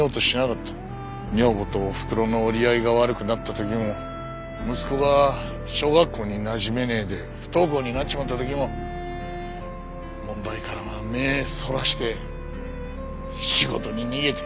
女房とおふくろの折り合いが悪くなった時も息子が小学校になじめねえで不登校になっちまった時も問題から目ぇそらして仕事に逃げて。